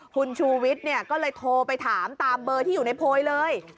คุณชูวิทย์ก็เลยโทรไปถามตามเบอร์ที่อยู่ในโพยเลย